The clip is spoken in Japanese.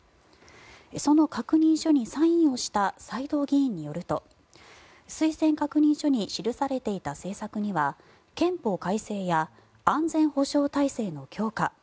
その確認書にサインをした斎藤議員によると推薦確認書に記されていた政策には憲法改正や安全保障体制の強化